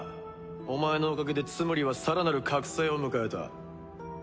お前のおかげでツムリはさらなる覚醒を迎えた。